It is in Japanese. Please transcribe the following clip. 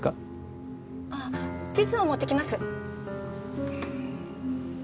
あ地図を持ってきます。